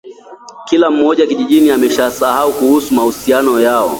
Kila mmoja kijijini ameshafahamu kuhusu mahusiano yao